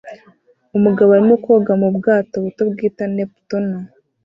Umugabo arimo koga mu bwato buto bwitwa Neptuno